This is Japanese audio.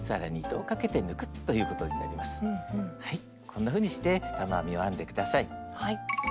こんなふうにして玉編みを編んで下さい。